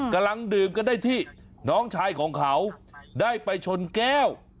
กำลังดื่มกันได้ที่น้องชายของเขาได้ไปชนแก้ว